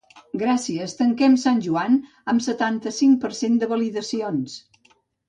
Gràcies, tanquem Sant Joan amb setanta-cinc per cent de validacions!